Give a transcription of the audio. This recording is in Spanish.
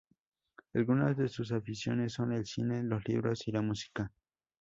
Algunas de sus aficiones son el cine, los libros y la música.